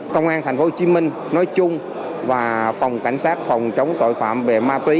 công an tp hcm nói chung và phòng cảnh sát phòng chống tội phạm về ma túy